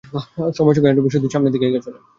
সময়ের সঙ্গে এনট্রপি শুধু সামনেই এগিয়ে চলে।